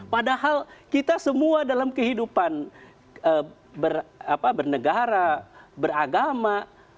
padahal kita semua dalam kehidupan bernegara beragama